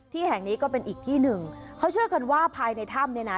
แห่งนี้ก็เป็นอีกที่หนึ่งเขาเชื่อกันว่าภายในถ้ำเนี่ยนะ